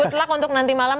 good luck untuk nanti malam